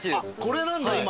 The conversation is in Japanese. これなんだ今。